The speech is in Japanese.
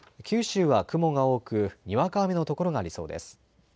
九州は雲が多く、にわか雨のところがありそうです。